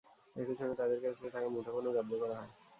একই সঙ্গে তাঁদের কাছে থাকা মুঠোফোনও জব্দ করা হয়।